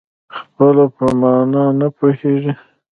خپله په مانا نه پوهېږي.